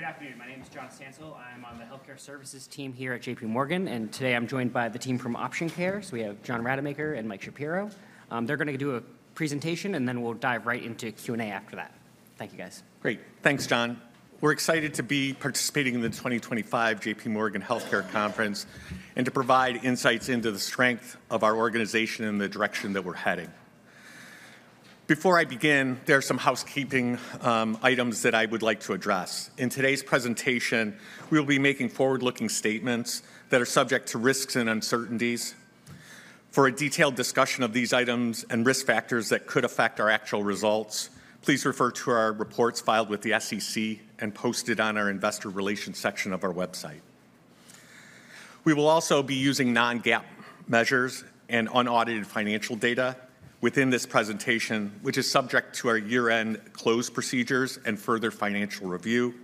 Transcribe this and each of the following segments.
Good afternoon. My name is John Stancil. I'm on the Healthcare Services team here at J.P. Morgan, and today I'm joined by the team from Option Care. So we have John Rademacher and Mike Shapiro. They're going to do a presentation, and then we'll dive right into Q&A after that. Thank you, guys. Great. Thanks, John. We're excited to be participating in the 2025 J.P. Morgan Healthcare Conference and to provide insights into the strength of our organization and the direction that we're heading. Before I begin, there are some housekeeping items that I would like to address. In today's presentation, we will be making forward-looking statements that are subject to risks and uncertainties. For a detailed discussion of these items and risk factors that could affect our actual results, please refer to our reports filed with the SEC and posted on our Investor Relations section of our website. We will also be using non-GAAP measures and unaudited financial data within this presentation, which is subject to our year-end close procedures and further financial review.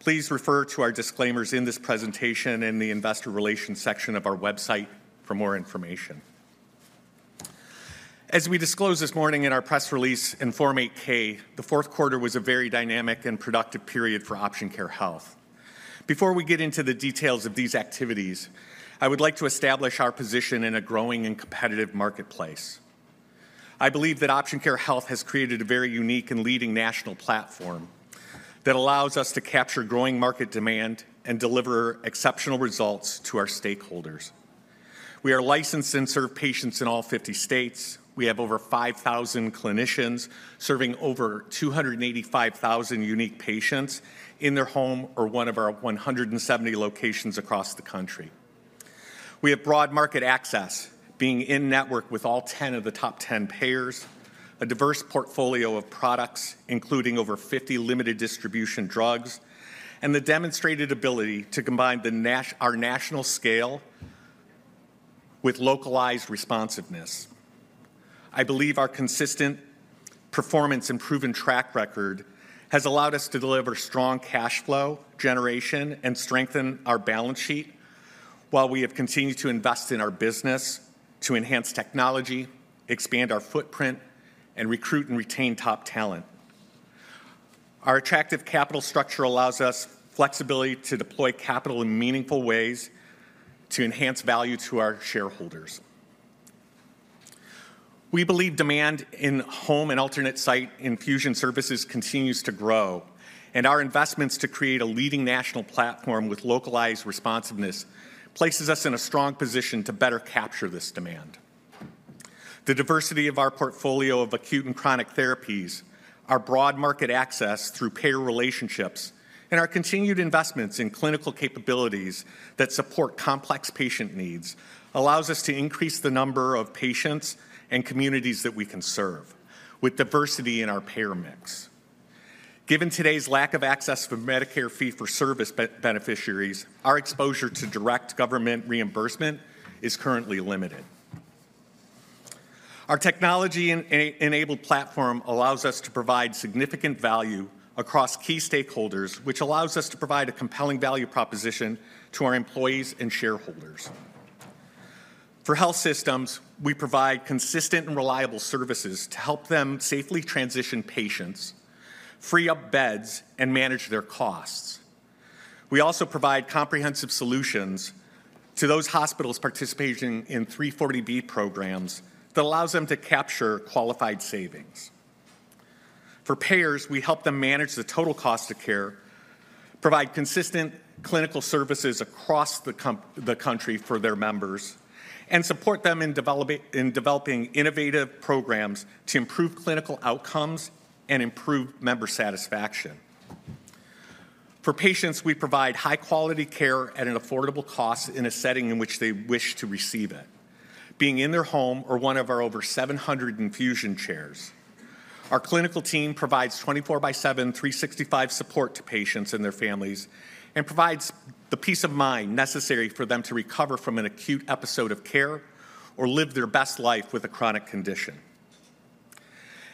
Please refer to our disclaimers in this presentation and the Investor Relations section of our website for more information. As we disclose this morning in our press release in Form 8-K, the fourth quarter was a very dynamic and productive period for Option Care Health. Before we get into the details of these activities, I would like to establish our position in a growing and competitive marketplace. I believe that Option Care Health has created a very unique and leading national platform that allows us to capture growing market demand and deliver exceptional results to our stakeholders. We are licensed and serve patients in all 50 states. We have over 5,000 clinicians serving over 285,000 unique patients in their home or one of our 170 locations across the country. We have broad market access, being in-network with all 10 of the top 10 payers, a diverse portfolio of products, including over 50 limited distribution drugs, and the demonstrated ability to combine our national scale with localized responsiveness. I believe our consistent performance and proven track record has allowed us to deliver strong cash flow generation and strengthen our balance sheet while we have continued to invest in our business to enhance technology, expand our footprint, and recruit and retain top talent. Our attractive capital structure allows us flexibility to deploy capital in meaningful ways to enhance value to our shareholders. We believe demand in home and alternate site infusion services continues to grow, and our investments to create a leading national platform with localized responsiveness places us in a strong position to better capture this demand. The diversity of our portfolio of acute and chronic therapies, our broad market access through payer relationships, and our continued investments in clinical capabilities that support complex patient needs allows us to increase the number of patients and communities that we can serve with diversity in our payer mix. Given today's lack of access for Medicare Fee-For-Service beneficiaries, our exposure to direct government reimbursement is currently limited. Our technology-enabled platform allows us to provide significant value across key stakeholders, which allows us to provide a compelling value proposition to our employees and shareholders. For health systems, we provide consistent and reliable services to help them safely transition patients, free up beds, and manage their costs. We also provide comprehensive solutions to those hospitals participating in 340B programs that allows them to capture qualified savings. For payers, we help them manage the total cost of care, provide consistent clinical services across the country for their members, and support them in developing innovative programs to improve clinical outcomes and improve member satisfaction. For patients, we provide high-quality care at an affordable cost in a setting in which they wish to receive it, being in their home or one of our over 700 infusion chairs. Our clinical team provides 24/7, 365 support to patients and their families and provides the peace of mind necessary for them to recover from an acute episode of care or live their best life with a chronic condition.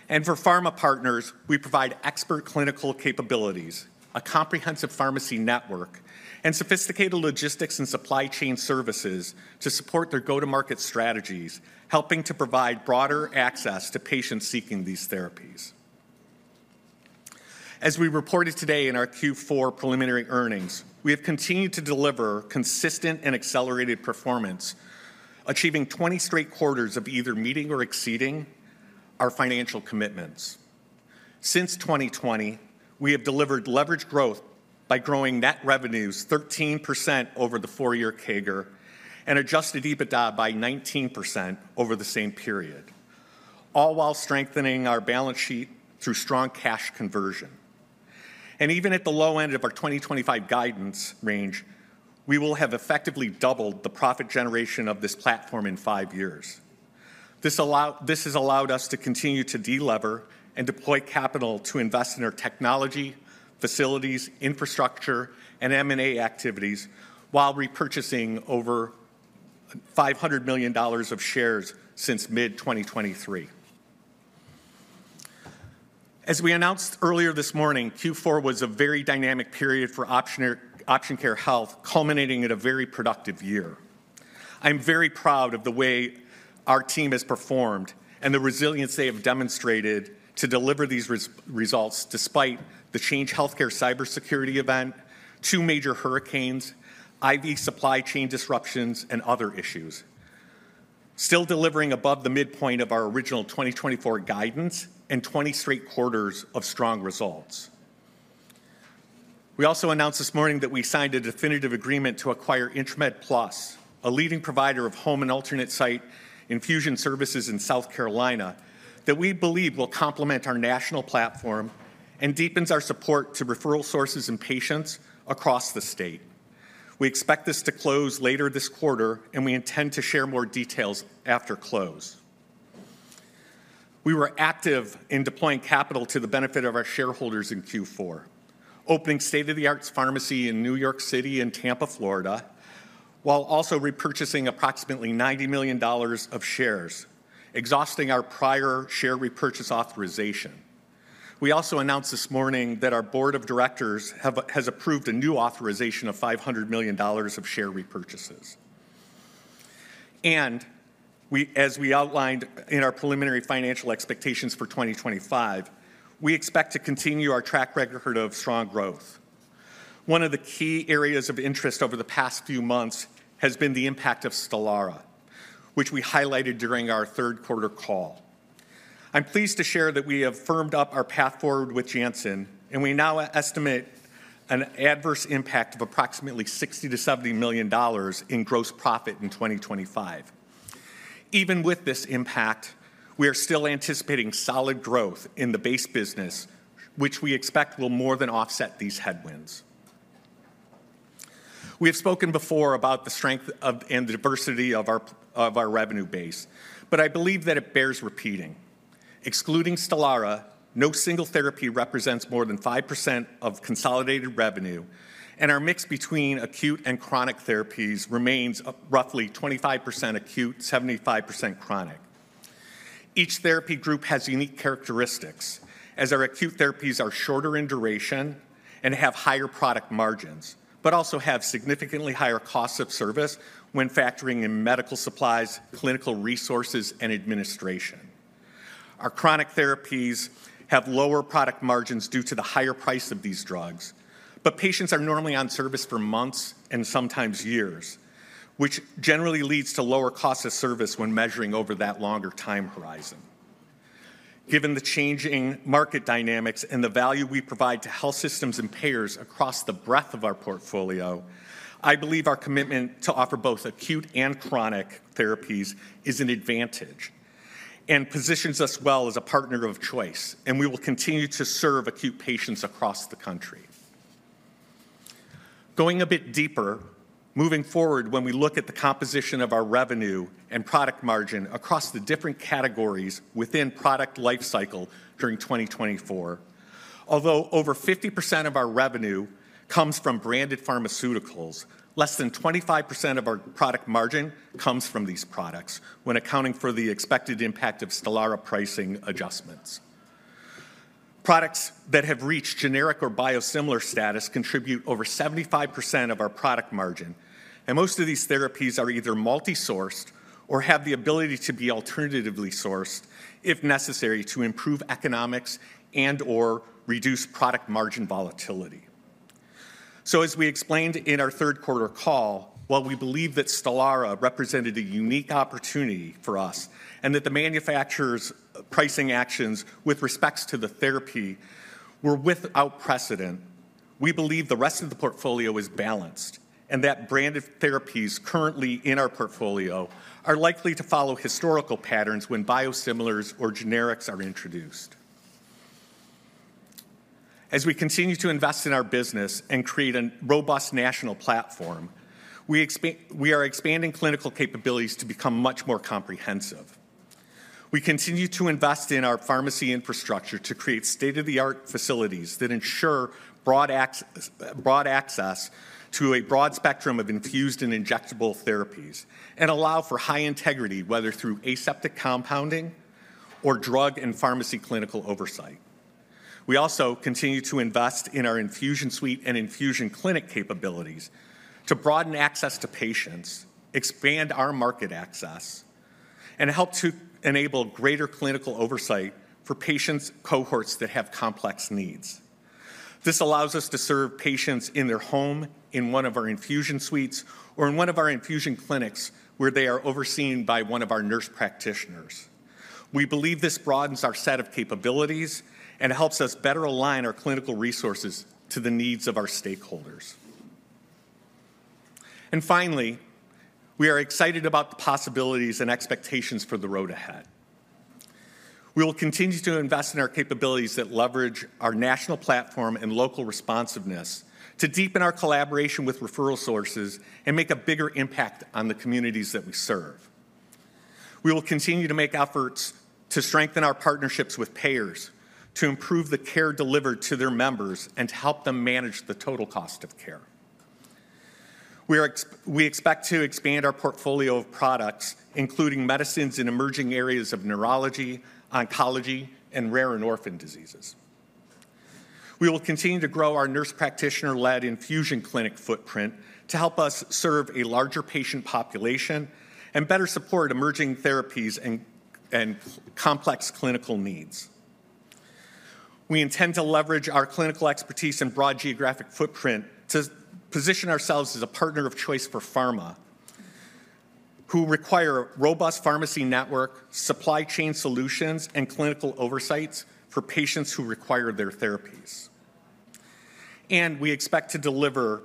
And for pharma partners, we provide expert clinical capabilities, a comprehensive pharmacy network, and sophisticated logistics and supply chain services to support their go-to-market strategies, helping to provide broader access to patients seeking these therapies. As we reported today in our Q4 preliminary earnings, we have continued to deliver consistent and accelerated performance, achieving 20 straight quarters of either meeting or exceeding our financial commitments. Since 2020, we have delivered leveraged growth by growing net revenues 13% over the four-year CAGR and Adjusted EBITDA by 19% over the same period, all while strengthening our balance sheet through strong cash conversion. And even at the low end of our 2025 guidance range, we will have effectively doubled the profit generation of this platform in five years. This has allowed us to continue to delever and deploy capital to invest in our technology, facilities, infrastructure, and M&A activities while repurchasing over $500 million of shares since mid-2023. As we announced earlier this morning, Q4 was a very dynamic period for Option Care Health, culminating in a very productive year. I'm very proud of the way our team has performed and the resilience they have demonstrated to deliver these results despite the Change Healthcare cybersecurity event, two major hurricanes, IV supply chain disruptions, and other issues. Still delivering above the midpoint of our original 2024 guidance and 20 straight quarters of strong results. We also announced this morning that we signed a definitive agreement to acquire Intramed Plus, a leading provider of home and alternate site infusion services in South Carolina that we believe will complement our national platform and deepens our support to referral sources and patients across the state. We expect this to close later this quarter, and we intend to share more details after close. We were active in deploying capital to the benefit of our shareholders in Q4, opening state-of-the-art pharmacy in New York City and Tampa, Florida, while also repurchasing approximately $90 million of shares, exhausting our prior share repurchase authorization. We also announced this morning that our board of directors has approved a new authorization of $500 million of share repurchases. As we outlined in our preliminary financial expectations for 2025, we expect to continue our track record of strong growth. One of the key areas of interest over the past few months has been the impact of Stelara, which we highlighted during our third quarter call. I'm pleased to share that we have firmed up our path forward with Janssen, and we now estimate an adverse impact of approximately $60-$70 million in gross profit in 2025. Even with this impact, we are still anticipating solid growth in the base business, which we expect will more than offset these headwinds. We have spoken before about the strength and diversity of our revenue base, but I believe that it bears repeating. Excluding Stelara, no single therapy represents more than 5% of consolidated revenue, and our mix between acute and chronic therapies remains roughly 25% acute, 75% chronic. Each therapy group has unique characteristics, as our acute therapies are shorter in duration and have higher product margins, but also have significantly higher cost of service when factoring in medical supplies, clinical resources, and administration. Our chronic therapies have lower product margins due to the higher price of these drugs, but patients are normally on service for months and sometimes years, which generally leads to lower cost of service when measuring over that longer time horizon. Given the changing market dynamics and the value we provide to health systems and payers across the breadth of our portfolio, I believe our commitment to offer both acute and chronic therapies is an advantage and positions us well as a partner of choice, and we will continue to serve acute patients across the country. Going a bit deeper, moving forward, when we look at the composition of our revenue and product margin across the different categories within product lifecycle during 2024, although over 50% of our revenue comes from branded pharmaceuticals, less than 25% of our product margin comes from these products when accounting for the expected impact of Stelara pricing adjustments. Products that have reached generic or biosimilar status contribute over 75% of our product margin, and most of these therapies are either multi-sourced or have the ability to be alternatively sourced if necessary to improve economics and/or reduce product margin volatility. As we explained in our third quarter call, while we believe that Stelara represented a unique opportunity for us and that the manufacturer's pricing actions with respect to the therapy were without precedent, we believe the rest of the portfolio is balanced and that branded therapies currently in our portfolio are likely to follow historical patterns when biosimilars or generics are introduced. As we continue to invest in our business and create a robust national platform, we are expanding clinical capabilities to become much more comprehensive. We continue to invest in our pharmacy infrastructure to create state-of-the-art facilities that ensure broad access to a broad spectrum of infused and injectable therapies and allow for high integrity, whether through aseptic compounding or drug and pharmacy clinical oversight. We also continue to invest in our infusion suite and infusion clinic capabilities to broaden access to patients, expand our market access, and help to enable greater clinical oversight for patients' cohorts that have complex needs. This allows us to serve patients in their home, in one of our infusion suites, or in one of our infusion clinics where they are overseen by one of our nurse practitioners. We believe this broadens our set of capabilities and helps us better align our clinical resources to the needs of our stakeholders. Finally, we are excited about the possibilities and expectations for the road ahead. We will continue to invest in our capabilities that leverage our national platform and local responsiveness to deepen our collaboration with referral sources and make a bigger impact on the communities that we serve. We will continue to make efforts to strengthen our partnerships with payers to improve the care delivered to their members and to help them manage the total cost of care. We expect to expand our portfolio of products, including medicines in emerging areas of neurology, oncology, and rare and orphan diseases. We will continue to grow our nurse practitioner-led infusion clinic footprint to help us serve a larger patient population and better support emerging therapies and complex clinical needs. We intend to leverage our clinical expertise and broad geographic footprint to position ourselves as a partner of choice for pharma, who require robust pharmacy network, supply chain solutions, and clinical oversights for patients who require their therapies. We expect to deliver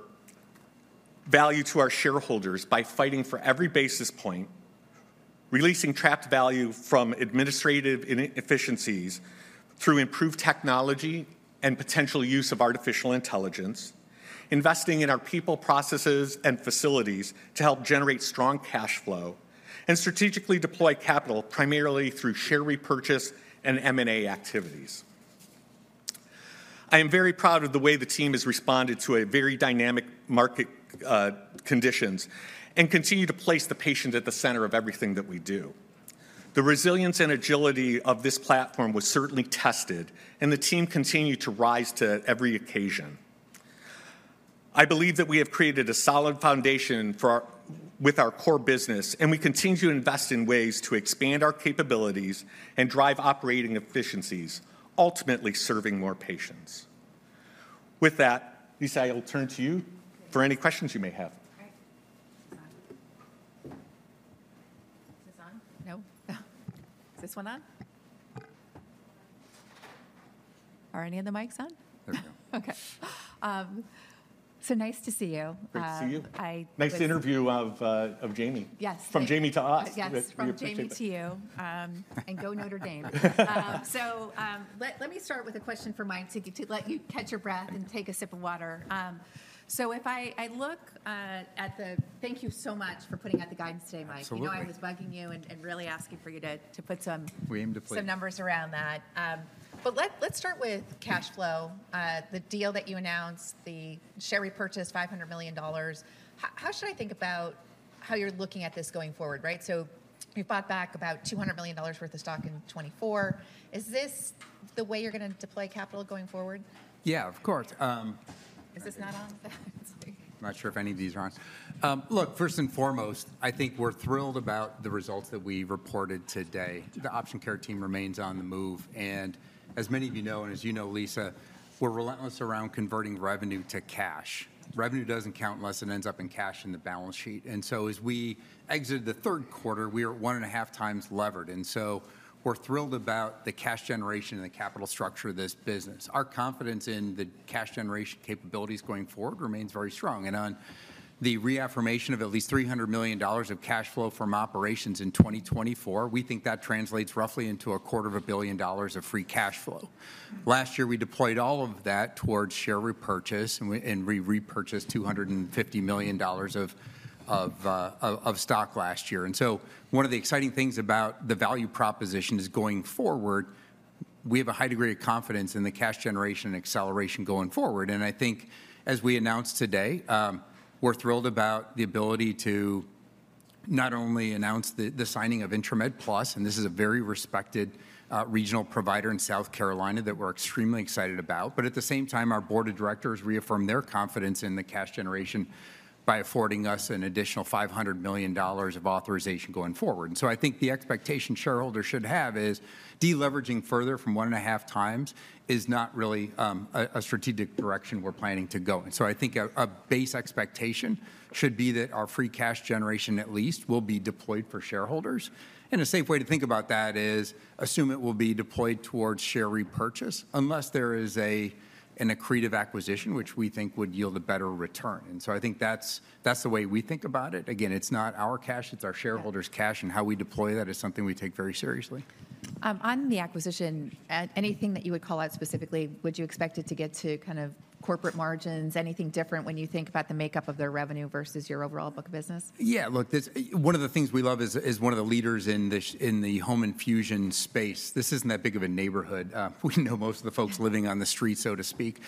value to our shareholders by fighting for every basis point, releasing trapped value from administrative inefficiencies through improved technology and potential use of artificial intelligence, investing in our people, processes, and facilities to help generate strong cash flow, and strategically deploy capital primarily through share repurchase and M&A activities. I am very proud of the way the team has responded to very dynamic market conditions and continue to place the patient at the center of everything that we do. The resilience and agility of this platform was certainly tested, and the team continued to rise to every occasion. I believe that we have created a solid foundation with our core business, and we continue to invest in ways to expand our capabilities and drive operating efficiencies, ultimately serving more patients. With that, Lisa, I will turn to you for any questions you may have. Is this on? No. Is this one on? Are any of the mics on? There we go. Okay. So nice to see you. Good to see you. Nice interview of Jamie. Yes. From Jamie to us. Yes, from Jamie to you. And go Notre Dame. Let me start with a question for Mike to let you catch your breath and take a sip of water. If I look at the, thank you so much for putting out the guidance today, Mike. I know I was bugging you and really asking for you to put some numbers around that. Let's start with cash flow. The deal that you announced, the share repurchase, $500 million. How should I think about how you are looking at this going forward? Right? You bought back about $200 million worth of stock in 2024. Is this the way you're going to deploy capital going forward? Yeah, of course. Is this not on? I'm not sure if any of these are on. Look, first and foremost, I think we're thrilled about the results that we reported today. The Option Care team remains on the move, and as many of you know, and as you know, Lisa, we're relentless around converting revenue to cash. Revenue doesn't count unless it ends up in cash in the balance sheet, and so as we exited the third quarter, we are one and a half times levered, and so we're thrilled about the cash generation and the capital structure of this business. Our confidence in the cash generation capabilities going forward remains very strong. On the reaffirmation of at least $300 million of cash flow from operations in 2024, we think that translates roughly into $250 million of free cash flow. Last year, we deployed all of that towards share repurchase, and we repurchased $250 million of stock last year. So one of the exciting things about the value proposition is going forward, we have a high degree of confidence in the cash generation and acceleration going forward. I think as we announced today, we're thrilled about the ability to not only announce the signing of Intramed Plus, and this is a very respected regional provider in South Carolina that we're extremely excited about, but at the same time, our board of directors reaffirmed their confidence in the cash generation by affording us an additional $500 million of authorization going forward. And so I think the expectation shareholders should have is deleveraging further from one and a half times is not really a strategic direction we're planning to go. And so I think a base expectation should be that our free cash generation at least will be deployed for shareholders. And a safe way to think about that is assume it will be deployed towards share repurchase unless there is an accretive acquisition, which we think would yield a better return. And so I think that's the way we think about it. Again, it's not our cash, it's our shareholders' cash, and how we deploy that is something we take very seriously. On the acquisition, anything that you would call out specifically, would you expect it to get to kind of corporate margins? Anything different when you think about the makeup of their revenue versus your overall book of business? Yeah, look, one of the things we love is one of the leaders in the home infusion space. This isn't that big of a neighborhood. We know most of the folks living on the street, so to speak.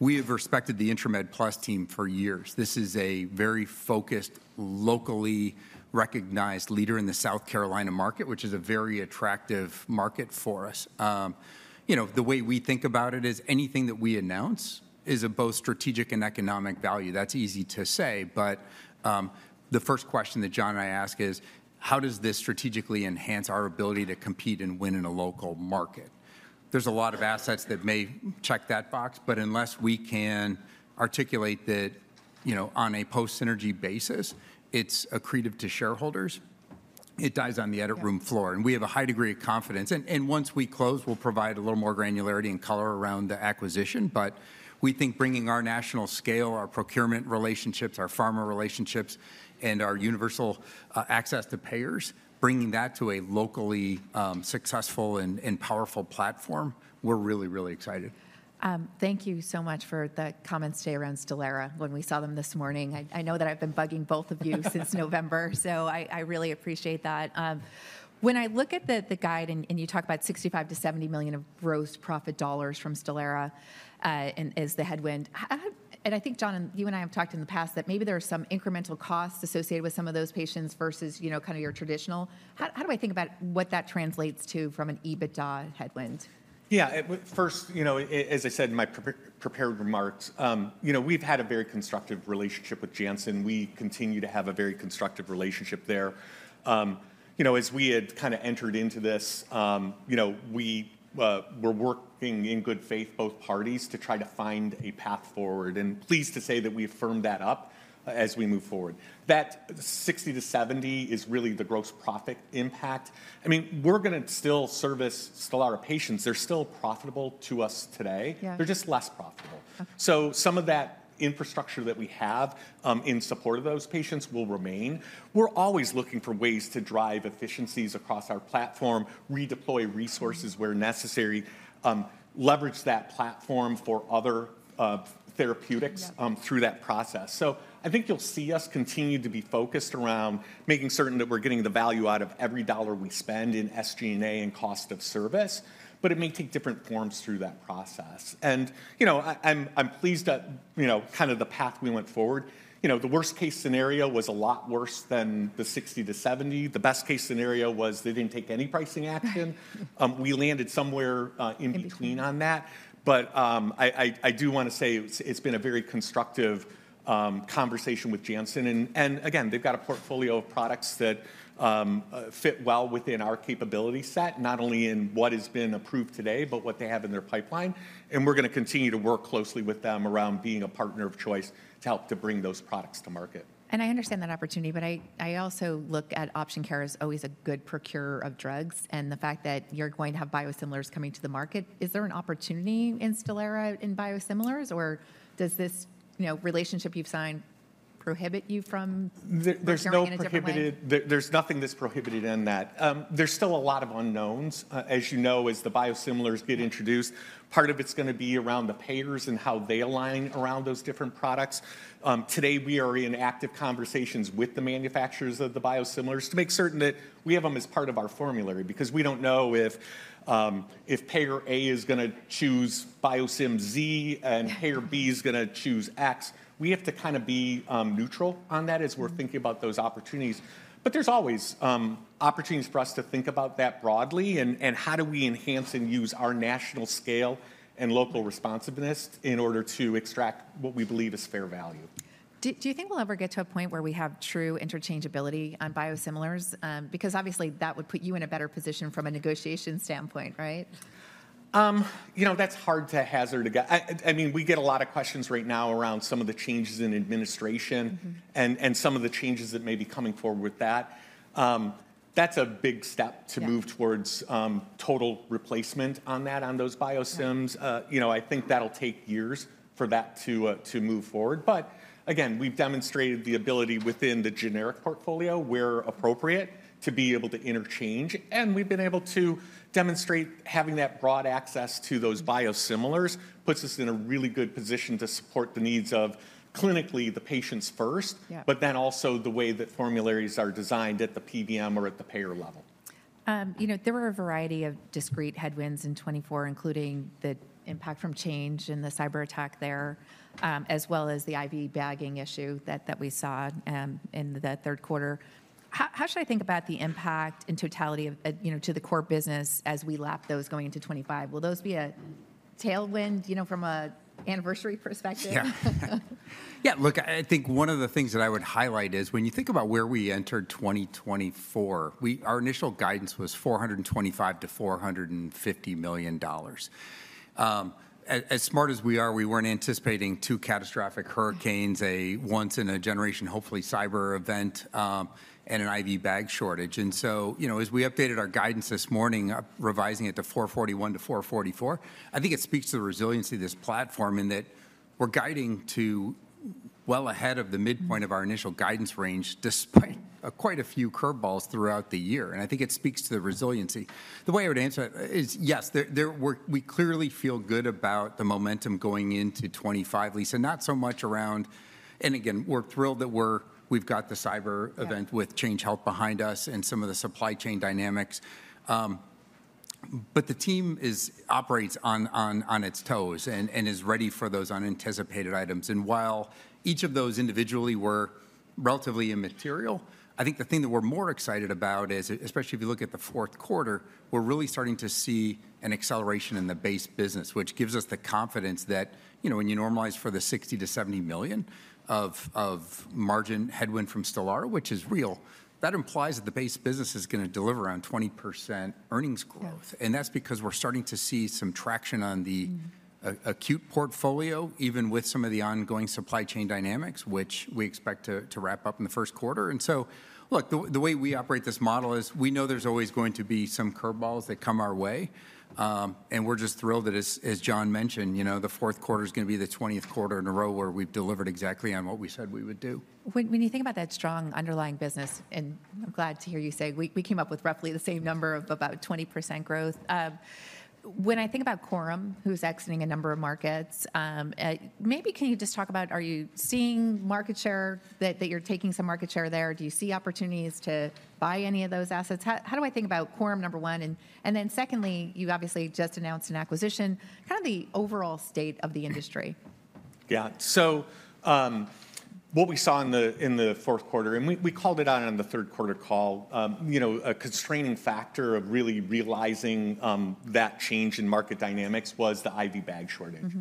We have respected the Intramed Plus team for years. This is a very focused, locally recognized leader in the South Carolina market, which is a very attractive market for us. The way we think about it is anything that we announce is of both strategic and economic value. That's easy to say, but the first question that John and I ask is, how does this strategically enhance our ability to compete and win in a local market? There's a lot of assets that may check that box, but unless we can articulate that on a post-synergy basis, it's accretive to shareholders, it dies on the edit room floor. We have a high degree of confidence. Once we close, we'll provide a little more granularity and color around the acquisition. We think bringing our national scale, our procurement relationships, our pharma relationships, and our universal access to payers, bringing that to a locally successful and powerful platform, we're really, really excited. Thank you so much for the comments today around Stelara when we saw them this morning. I know that I've been bugging both of you since November, so I really appreciate that. When I look at the guide and you talk about $65 million to $70 million of gross profit dollars from Stelara as the headwind, and I think, John, you and I have talked in the past that maybe there are some incremental costs associated with some of those patients versus kind of your traditional. How do I think about what that translates to from an EBITDA headwind? Yeah, first, as I said in my prepared remarks, we've had a very constructive relationship with Janssen. We continue to have a very constructive relationship there. As we had kind of entered into this, we were working in good faith, both parties, to try to find a path forward and pleased to say that we affirmed that up as we move forward. That 60-70 is really the gross profit impact. I mean, we're going to still service Stelara patients. They're still profitable to us today. They're just less profitable. So some of that infrastructure that we have in support of those patients will remain. We're always looking for ways to drive efficiencies across our platform, redeploy resources where necessary, leverage that platform for other therapeutics through that process. So I think you'll see us continue to be focused around making certain that we're getting the value out of every dollar we spend in SG&A and cost of service, but it may take different forms through that process. And I'm pleased at kind of the path we went forward. The worst-case scenario was a lot worse than the 60-70. The best-case scenario was they didn't take any pricing action. We landed somewhere in between on that. But I do want to say it's been a very constructive conversation with Janssen. And again, they've got a portfolio of products that fit well within our capability set, not only in what has been approved today, but what they have in their pipeline. And we're going to continue to work closely with them around being a partner of choice to help to bring those products to market. I understand that opportunity, but I also look at Option Care as always a good procurer of drugs and the fact that you're going to have biosimilars coming to the market. Is there an opportunity in Stelara in biosimilars, or does this relationship you've signed prohibit you from? There's no prohibition. There's nothing that's prohibited in that. There's still a lot of unknowns. As you know, as the biosimilars get introduced, part of it's going to be around the payers and how they align around those different products. Today, we are in active conversations with the manufacturers of the biosimilars to make certain that we have them as part of our formulary because we don't know if payer A is going to choose biosim Z and payer B is going to choose X. We have to kind of be neutral on that as we're thinking about those opportunities. But there's always opportunities for us to think about that broadly and how do we enhance and use our national scale and local responsiveness in order to extract what we believe is fair value. Do you think we'll ever get to a point where we have true interchangeability on biosimilars? Because obviously that would put you in a better position from a negotiation standpoint, right? That's hard to hazard a guess. I mean, we get a lot of questions right now around some of the changes in administration and some of the changes that may be coming forward with that. That's a big step to move towards total replacement on that, on those biosims. I think that'll take years for that to move forward. But again, we've demonstrated the ability within the generic portfolio where appropriate to be able to interchange. And we've been able to demonstrate having that broad access to those biosimilars puts us in a really good position to support the needs of clinically the patients first, but then also the way that formularies are designed at the PBM or at the payer level. There were a variety of discrete headwinds in 2024, including the impact from Change Healthcare and the cyber attack there, as well as the IV bagging issue that we saw in the third quarter. How should I think about the impact in totality to the core business as we lap those going into 2025? Will those be a tailwind from an anniversary perspective? Yeah. Yeah, look, I think one of the things that I would highlight is when you think about where we entered 2024, our initial guidance was $425 to $450 million. As smart as we are, we weren't anticipating two catastrophic hurricanes, a once-in-a-generation, hopefully, cyber event, and an IV bag shortage. So as we updated our guidance this morning, revising it to 441 to 444, I think it speaks to the resiliency of this platform in that we're guiding to well ahead of the midpoint of our initial guidance range despite quite a few curveballs throughout the year. I think it speaks to the resiliency. The way I would answer it is, yes, we clearly feel good about the momentum going into 2025, Lisa, not so much around, and again, we're thrilled that we've got the cyber event with Change Healthcare behind us and some of the supply chain dynamics. The team operates on its toes and is ready for those unanticipated items. While each of those individually were relatively immaterial, I think the thing that we're more excited about is, especially if you look at the fourth quarter, we're really starting to see an acceleration in the base business, which gives us the confidence that when you normalize for the $60 million to $70 million of margin headwind from Stelara, which is real, that implies that the base business is going to deliver on 20% earnings growth. And that's because we're starting to see some traction on the acute portfolio, even with some of the ongoing supply chain dynamics, which we expect to wrap up in the first quarter. And so, look, the way we operate this model is we know there's always going to be some curveballs that come our way. We're just thrilled that, as John mentioned, the fourth quarter is going to be the 20th quarter in a row where we've delivered exactly on what we said we would do. When you think about that strong underlying business, and I'm glad to hear you say we came up with roughly the same number of about 20% growth. When I think about Coram, who's exiting a number of markets, maybe can you just talk about, are you seeing market share that you're taking some market share there? Do you see opportunities to buy any of those assets? How do I think about Coram, number one? And then secondly, you obviously just announced an acquisition. Kind of the overall state of the industry. Yeah. So, what we saw in the fourth quarter, and we called it out on the third quarter call, a constraining factor of really realizing that change in market dynamics was the IV bag shortage.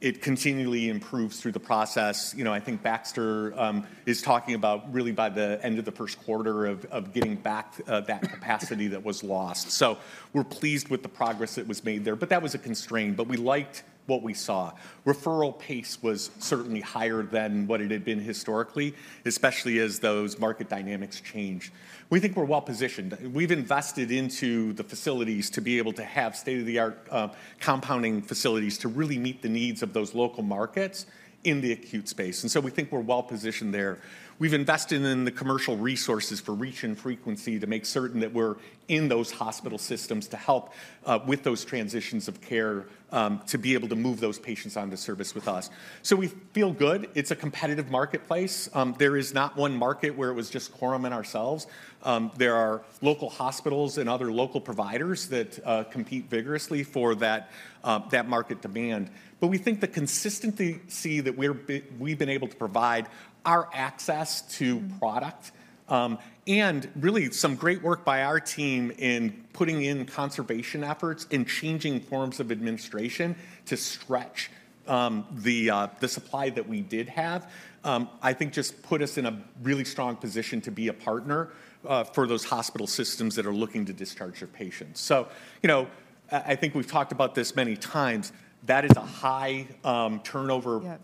It continually improves through the process. I think Baxter is talking about really by the end of the first quarter of getting back that capacity that was lost, so we're pleased with the progress that was made there, but that was a constraint, but we liked what we saw. Referral pace was certainly higher than what it had been historically, especially as those market dynamics change. We think we're well positioned. We've invested into the facilities to be able to have state-of-the-art compounding facilities to really meet the needs of those local markets in the acute space, and so we think we're well positioned there. We've invested in the commercial resources for reach and frequency to make certain that we're in those hospital systems to help with those transitions of care to be able to move those patients on to service with us. So we feel good. It's a competitive marketplace. There is not one market where it was just Coram and ourselves. There are local hospitals and other local providers that compete vigorously for that market demand. But we think the consistency that we've been able to provide our access to product and really some great work by our team in putting in conservation efforts and changing forms of administration to stretch the supply that we did have, I think just put us in a really strong position to be a partner for those hospital systems that are looking to discharge their patients. So I think we've talked about this many times. That is a high turnover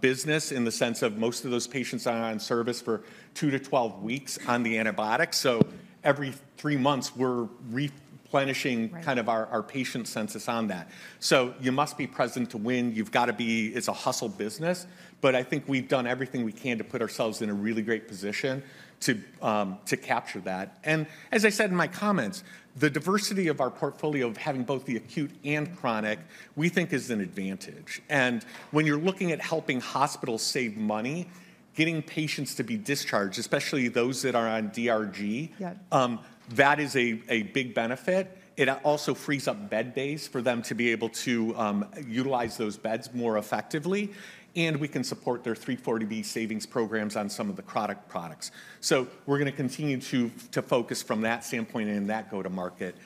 business in the sense of most of those patients are on service for two to 12 weeks on the antibiotics. So every three months, we're replenishing kind of our patient census on that. So you must be present to win. You've got to be. It's a hustle business. But I think we've done everything we can to put ourselves in a really great position to capture that. And as I said in my comments, the diversity of our portfolio of having both the acute and chronic, we think is an advantage. And when you're looking at helping hospitals save money, getting patients to be discharged, especially those that are on DRG, that is a big benefit. It also frees up bed days for them to be able to utilize those beds more effectively. And we can support their 340B savings programs on some of the products. So we're going to continue to focus from that standpoint and that go-to-market.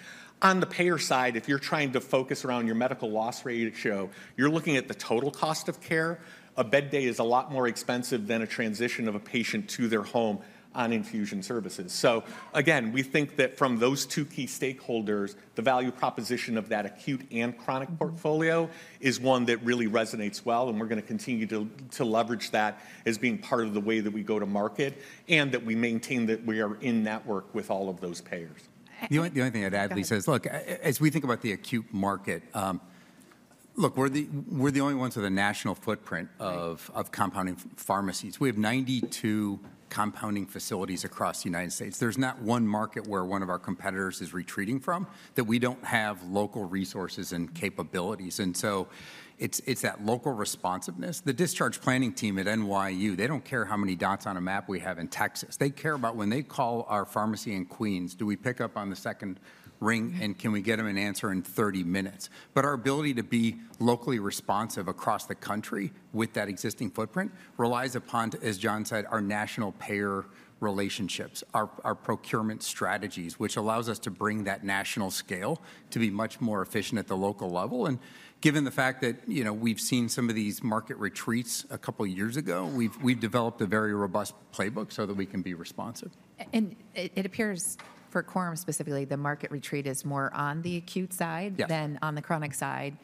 On the payer side, if you're trying to focus around your medical loss ratio, you're looking at the total cost of care. A bed day is a lot more expensive than a transition of a patient to their home infusion services. So again, we think that from those two key stakeholders, the value proposition of that acute and chronic portfolio is one that really resonates well. And we're going to continue to leverage that as being part of the way that we go to market and that we maintain that we are in network with all of those payers. The only thing I'd add, Lisa, is, look, as we think about the acute market, look, we're the only ones with a national footprint of compounding pharmacies. We have 92 compounding facilities across the United States. There's not one market where one of our competitors is retreating from that we don't have local resources and capabilities, and so it's that local responsiveness. The discharge planning team at NYU, they don't care how many dots on a map we have in Texas. They care about when they call our pharmacy in Queens, do we pick up on the second ring and can we get them an answer in 30 minutes, but our ability to be locally responsive across the country with that existing footprint relies upon, as John said, our national payer relationships, our procurement strategies, which allows us to bring that national scale to be much more efficient at the local level, and given the fact that we've seen some of these market retreats a couple of years ago, we've developed a very robust playbook so that we can be responsive. And it appears for Coram specifically, the market retreat is more on the acute side than on the chronic side.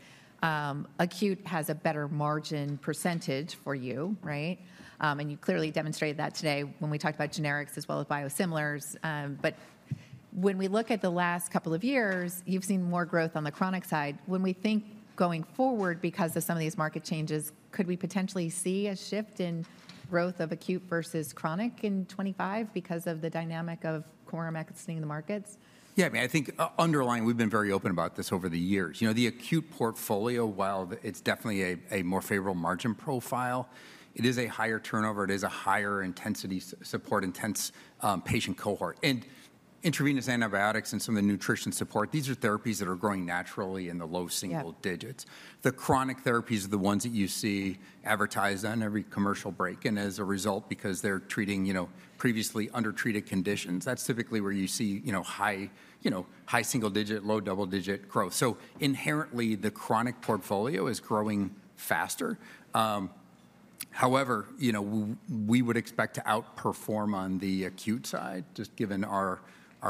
Acute has a better margin percentage for you, right? And you clearly demonstrated that today when we talked about generics as well as biosimilars. But when we look at the last couple of years, you've seen more growth on the chronic side. When we think going forward because of some of these market changes, could we potentially see a shift in growth of acute versus chronic in 2025 because of the dynamic of Coram exiting the markets? Yeah, I mean, I think underlying, we've been very open about this over the years. The acute portfolio, while it's definitely a more favorable margin profile, it is a higher turnover. It is a higher intensity support, intense patient cohort. Intravenous antibiotics and some of the nutrition support, these are therapies that are growing naturally in the low single digits. The chronic therapies are the ones that you see advertised on every commercial break and, as a result, because they're treating previously undertreated conditions. That's typically where you see high single-digit, low double-digit growth. Inherently, the chronic portfolio is growing faster. However, we would expect to outperform on the acute side, just given our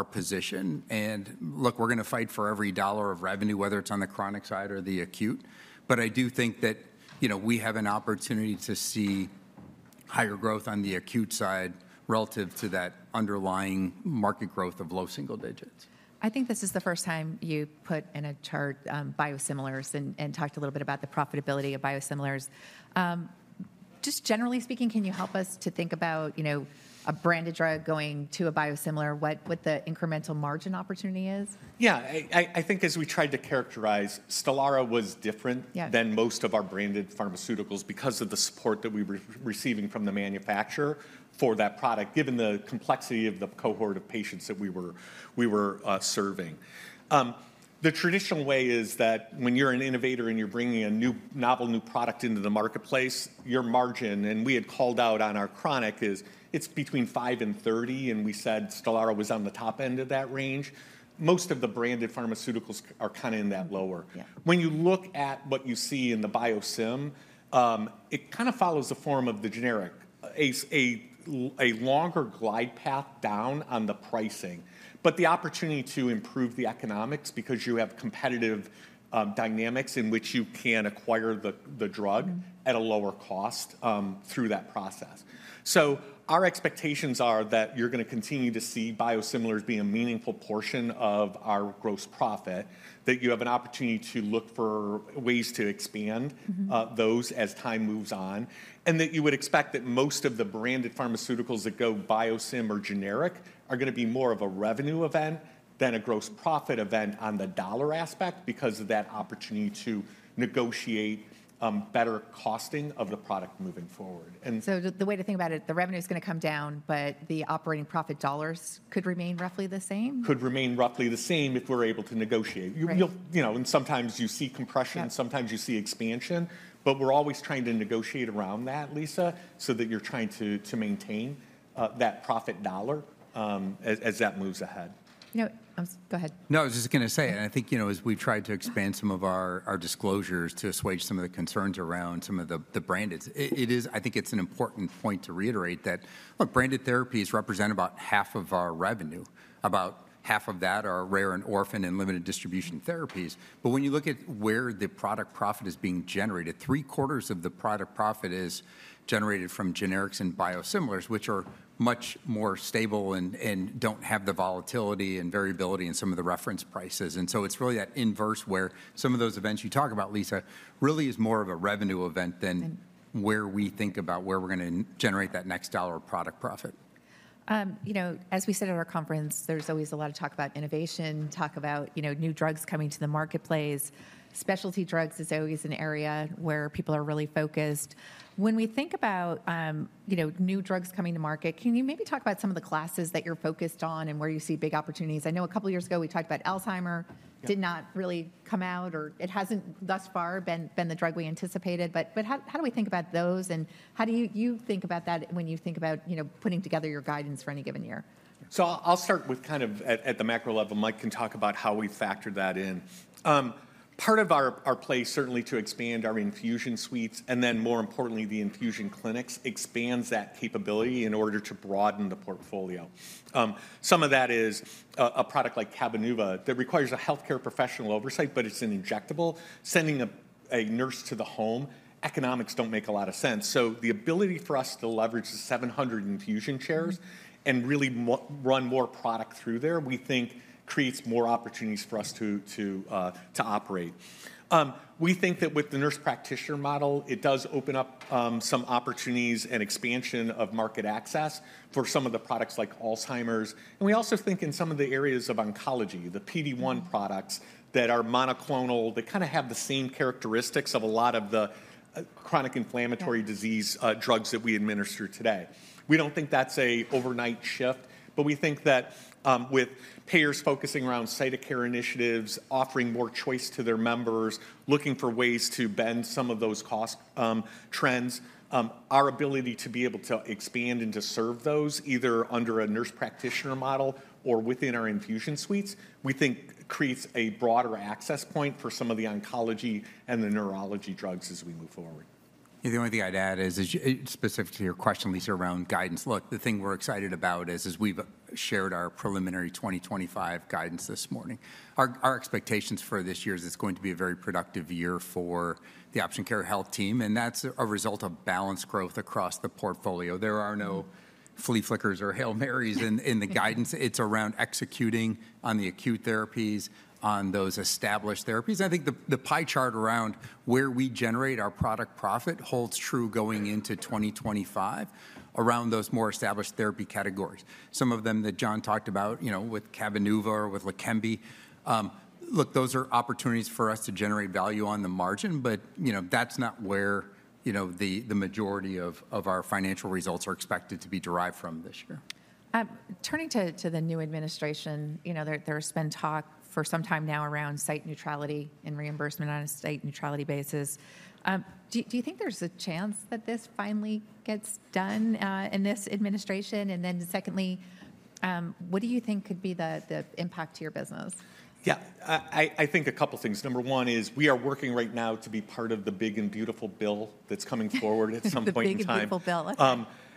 position. And look, we're going to fight for every dollar of revenue, whether it's on the chronic side or the acute. But I do think that we have an opportunity to see higher growth on the acute side relative to that underlying market growth of low single digits. I think this is the first time you put in a chart biosimilars and talked a little bit about the profitability of biosimilars. Just generally speaking, can you help us to think about a branded drug going to a biosimilar, what the incremental margin opportunity is? Yeah, I think as we tried to characterize, Stelara was different than most of our branded pharmaceuticals because of the support that we were receiving from the manufacturer for that product, given the complexity of the cohort of patients that we were serving. The traditional way is that when you're an innovator and you're bringing a novel new product into the marketplace, your margin, and we had called out on our chronic, is it's between 5 and 30, and we said Stelara was on the top end of that range. Most of the branded pharmaceuticals are kind of in that lower. When you look at what you see in the biosimilar, it kind of follows the form of the generic, a longer glide path down on the pricing, but the opportunity to improve the economics because you have competitive dynamics in which you can acquire the drug at a lower cost through that process. So our expectations are that you're going to continue to see biosimilars be a meaningful portion of our gross profit, that you have an opportunity to look for ways to expand those as time moves on, and that you would expect that most of the branded pharmaceuticals that go biosimilar or generic are going to be more of a revenue event than a gross profit event on the dollar aspect because of that opportunity to negotiate better costing of the product moving forward. So the way to think about it, the revenue is going to come down, but the operating profit dollars could remain roughly the same? Could remain roughly the same if we're able to negotiate. And sometimes you see compression, sometimes you see expansion, but we're always trying to negotiate around that, Lisa, so that you're trying to maintain that profit dollar as that moves ahead. Go ahead. No, I was just going to say, and I think as we tried to expand some of our disclosures to assuage some of the concerns around some of the branded, I think it's an important point to reiterate that, look, branded therapies represent about half of our revenue. About half of that are rare and orphan and limited distribution therapies. But when you look at where the product profit is being generated, three quarters of the product profit is generated from generics and biosimilars, which are much more stable and don't have the volatility and variability in some of the reference prices. And so it's really that inverse where some of those events you talk about, Lisa, really is more of a revenue event than where we think about where we're going to generate that next dollar of product profit. As we said at our conference, there's always a lot of talk about innovation, talk about new drugs coming to the marketplace. Specialty drugs is always an area where people are really focused. When we think about new drugs coming to market, can you maybe talk about some of the classes that you're focused on and where you see big opportunities? I know a couple of years ago we talked about Alzheimer's, did not really come out, or it hasn't thus far been the drug we anticipated. But how do we think about those? And how do you think about that when you think about putting together your guidance for any given year? So I'll start with kind of at the macro level. Mike can talk about how we factor that in. Part of our play, certainly to expand our infusion suites and then, more importantly, the infusion clinics expands that capability in order to broaden the portfolio. Some of that is a product like Cabenuva that requires a healthcare professional oversight, but it's an injectable. Sending a nurse to the home, economics don't make a lot of sense. So the ability for us to leverage the 700 infusion chairs and really run more product through there, we think creates more opportunities for us to operate. We think that with the nurse practitioner model, it does open up some opportunities and expansion of market access for some of the products like Alzheimer's. And we also think in some of the areas of oncology, the PD-1 products that are monoclonal, that kind of have the same characteristics of a lot of the chronic inflammatory disease drugs that we administer today. We don't think that's an overnight shift, but we think that with payers focusing around site-neutral initiatives, offering more choice to their members, looking for ways to bend some of those cost trends, our ability to be able to expand and to serve those either under a nurse practitioner model or within our infusion suites, we think creates a broader access point for some of the oncology and the neurology drugs as we move forward. The only thing I'd add is specific to your question, Lisa, around guidance. Look, the thing we're excited about is we've shared our preliminary 2025 guidance this morning. Our expectations for this year is it's going to be a very productive year for the Option Care Health team, and that's a result of balanced growth across the portfolio. There are no flea flickers or Hail Marys in the guidance. It's around executing on the acute therapies, on those established therapies. I think the pie chart around where we generate our product profit holds true going into 2025 around those more established therapy categories. Some of them that John talked about with Cabenuva, with Leqembi, look, those are opportunities for us to generate value on the margin, but that's not where the majority of our financial results are expected to be derived from this year. Turning to the new administration, there has been talk for some time now around site neutrality and reimbursement on a site neutrality basis. Do you think there's a chance that this finally gets done in this administration? And then secondly, what do you think could be the impact to your business? Yeah, I think a couple of things. Number one is we are working right now to be part of the big and beautiful bill that's coming forward at some point in time. Big and beautiful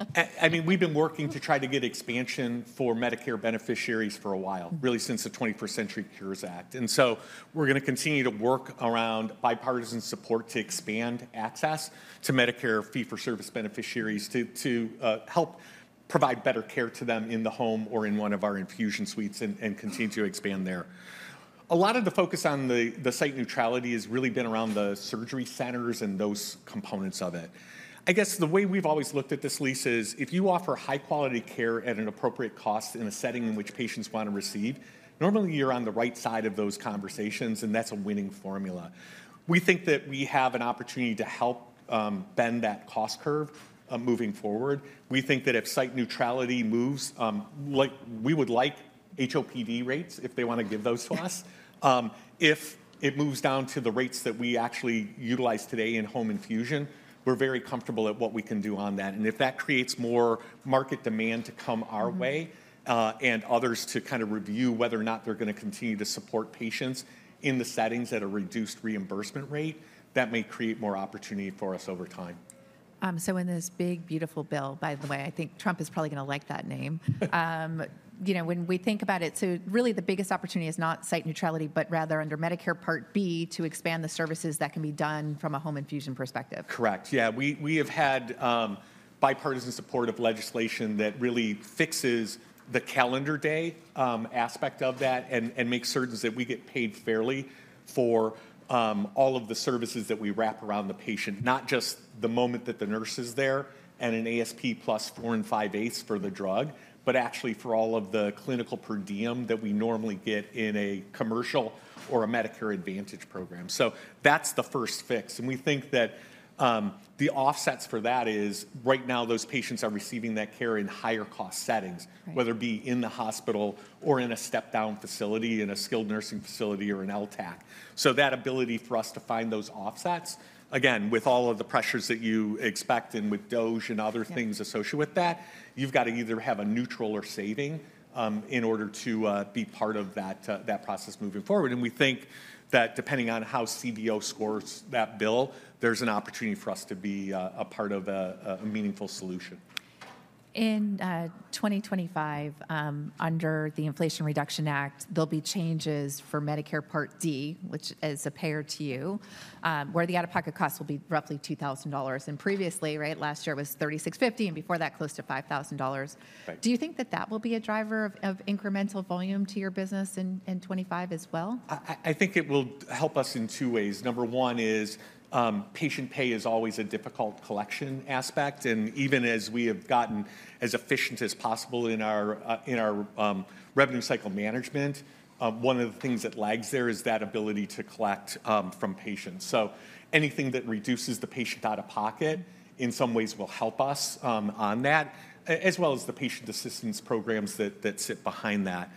bill. I mean, we've been working to try to get expansion for Medicare beneficiaries for a while, really since the 21st Century Cures Act. And so we're going to continue to work around bipartisan support to expand access to Medicare fee-for-service beneficiaries to help provide better care to them in the home or in one of our infusion suites and continue to expand there. A lot of the focus on the site neutrality has really been around the surgery centers and those components of it. I guess the way we've always looked at this, Lisa, is if you offer high-quality care at an appropriate cost in a setting in which patients want to receive, normally you're on the right side of those conversations, and that's a winning formula. We think that we have an opportunity to help bend that cost curve moving forward. We think that if site neutrality moves, we would like HOPD rates if they want to give those to us. If it moves down to the rates that we actually utilize today in home infusion, we're very comfortable at what we can do on that. And if that creates more market demand to come our way and others to kind of review whether or not they're going to continue to support patients in the settings at a reduced reimbursement rate, that may create more opportunity for us over time. So in this big, beautiful bill, by the way, I think Trump is probably going to like that name. When we think about it, so really the biggest opportunity is not site neutrality, but rather under Medicare Part B to expand the services that can be done from a home infusion perspective. Correct. Yeah, we have had bipartisan support of legislation that really fixes the calendar day aspect of that and makes certain that we get paid fairly for all of the services that we wrap around the patient, not just the moment that the nurse is there and an ASP plus four and five-eighths for the drug, but actually for all of the clinical per diem that we normally get in a commercial or a Medicare Advantage program. So that's the first fix. We think that the offsets for that are right now those patients are receiving that care in higher cost settings, whether it be in the hospital or in a step-down facility, in a skilled nursing facility or an LTAC. That ability for us to find those offsets, again, with all of the pressures that you expect and with DOGE and other things associated with that, you've got to either have a neutral or saving in order to be part of that process moving forward. We think that depending on how CBO scores that bill, there's an opportunity for us to be a part of a meaningful solution. In 2025, under the Inflation Reduction Act, there'll be changes for Medicare Part D, which is a payer to you, where the out-of-pocket cost will be roughly $2,000. Previously, right, last year it was $3,650, and before that, close to $5,000. Do you think that that will be a driver of incremental volume to your business in 2025 as well? I think it will help us in two ways. Number one is patient pay is always a difficult collection aspect. And even as we have gotten as efficient as possible in our revenue cycle management, one of the things that lags there is that ability to collect from patients. So anything that reduces the patient out of pocket in some ways will help us on that, as well as the patient assistance programs that sit behind that.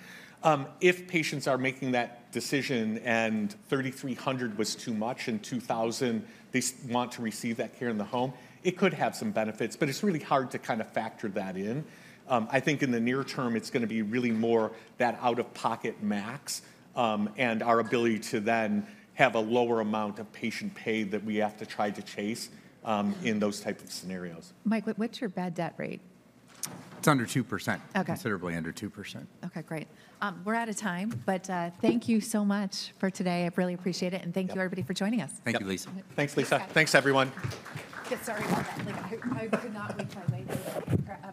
If patients are making that decision and $3,300 was too much in 2020, they want to receive that care in the home, it could have some benefits, but it's really hard to kind of factor that in. I think in the near term, it's going to be really more that out-of-pocket max and our ability to then have a lower amount of patient pay that we have to try to chase in those types of scenarios. Mike, what's your bad debt rate? It's under 2%, considerably under 2%. Okay, great. We're out of time, but thank you so much for today. I really appreciate it. And thank you, everybody, for joining us. Thank you, Lisa. Thanks, Lisa. Thanks, everyone. Sorry about that. I could not wait for my way to.